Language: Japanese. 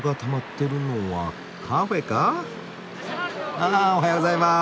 ああおはようございます。